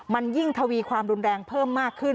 มันยิ่งทวีความรุนแรงเพิ่มมากขึ้น